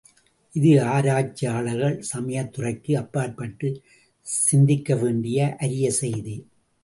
இது ஆராய்ச்சியாளர்கள் சமயத்துறைக்கு அப்பாற்பட்டுச் சிந்திக்கவேண்டிய அரிய செய்தி.